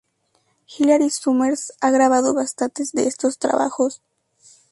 Hilary Summers ha grabado bastantes de estos trabajos.